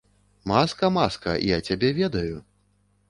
Маска, маска, я цябе ведаю.